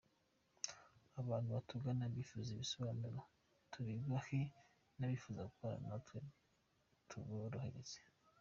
Abantu batugane abifuza ibisobanuro tubibahe, n’abifuza gukorana natwe tuborohereze.